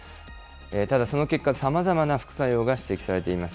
ただその結果、さまざまな副作用が指摘されています。